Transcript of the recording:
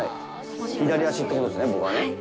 左足ということですね、僕はね。